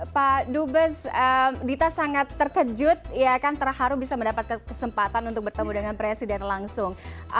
pak dubes dita sangat terkejut ya kan terharu bisa mendapat kesempatan untuk bertemu dengan presiden langsung